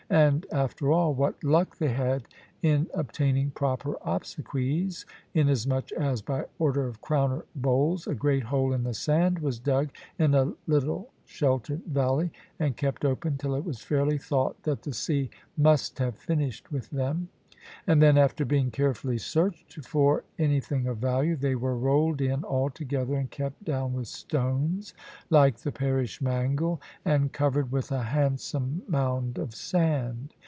And, after all, what luck they had in obtaining proper obsequies, inasmuch as, by order of Crowner Bowles, a great hole in the sand was dug in a little sheltered valley, and kept open till it was fairly thought that the sea must have finished with them; and then, after being carefully searched for anything of value, they were rolled in all together and kept down with stones, like the parish mangle, and covered with a handsome mound of sand.